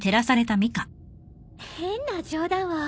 変な冗談を。